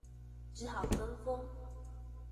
只好跟風